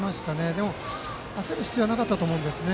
でも、焦る必要はなかったと思うんですよね。